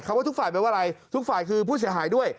ว่าทุกฝ่ายไม่ว่าอะไรทุกฝ่ายคือผู้เสียหายด้วย